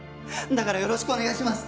だからよろしくお願いします